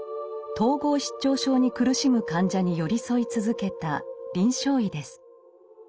統合失調症に苦しむ患者に寄り添い続けた臨床医です。